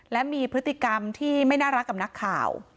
และมีพฤติกรรมที่ไม่น่ารักกับนักข่าว